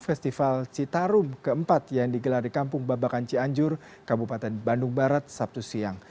festival citarum keempat yang digelar di kampung babakan cianjur kabupaten bandung barat sabtu siang